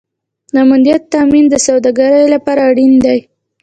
د امنیت تامین د سوداګرۍ لپاره اړین دی